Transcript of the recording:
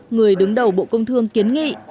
người đứng đầu bộ công thương kiến nghị